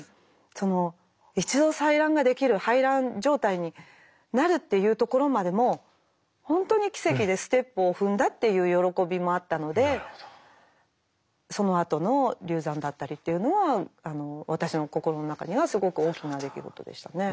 その一度採卵ができる排卵状態になるっていうところまでも本当に奇跡でステップを踏んだっていう喜びもあったのでそのあとの流産だったりっていうのは私の心の中にはすごく大きな出来事でしたね。